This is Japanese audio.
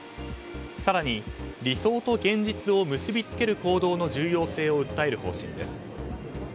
更に、理想と現実を結び付ける行動の重要性を訴える方針です。